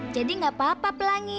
jadi nggak apa apa pelangi